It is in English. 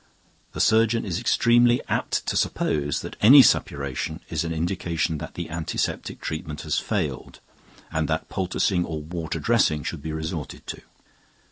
The surgeon is extremely apt to suppose that any suppuration is an indication that the antiseptic treatment has failed, and that poulticing or water dressing should be resorted to.